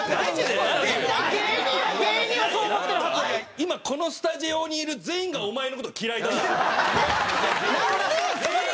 今、このスタジオにいる全員が、お前の事、嫌いだぞ。